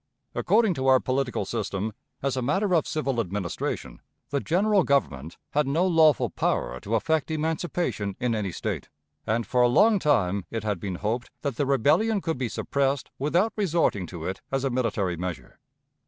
According to our political system, as a matter of civil administration, the General Government had no lawful power to effect emancipation in any State, and for a long time it had been hoped that the rebellion could be suppressed without resorting to it as a military measure.